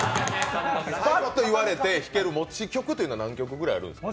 パッと言われて弾ける持ち曲って何曲ぐらいあるんですか。